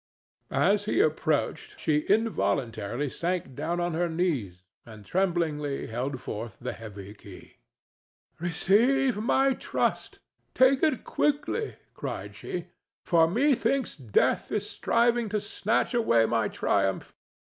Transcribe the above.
As he approached she involuntarily sank down on her knees and tremblingly held forth the heavy key. "Receive my trust! Take it quickly," cried she, "for methinks Death is striving to snatch away my triumph.